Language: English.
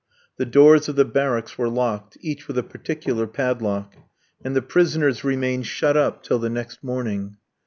The doors of the barracks were locked, each with a particular padlock, and the prisoners remained shut up till the next morning.